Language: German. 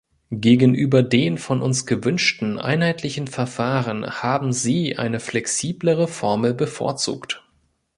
Gegenüber den von uns gewünschten einheitlichen Verfahren haben Sie eine flexiblere Formel bevorzugt.